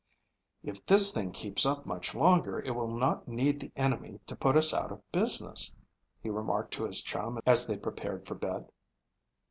"If this thing keeps up much longer it will not need the enemy to put us out of business," he remarked to his chum as they prepared for bed.